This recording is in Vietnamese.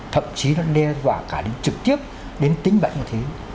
thậm chí nó đe dọa cả đến trực tiếp đến tính bệnh như thế